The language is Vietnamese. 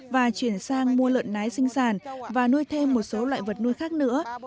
và chuyển sang mua lợn nái sinh sản và nuôi thêm một số loại vật nuôi khác nữa